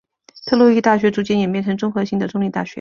特洛伊大学逐渐演变成综合性的州立大学。